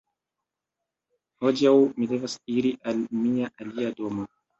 Hodiaŭ mi devas iri al mia alia domo.